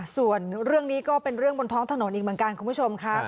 ส่วนเรื่องนี้ก็เป็นเรื่องบนท้องถนนอีกเหมือนกันคุณผู้ชมค่ะ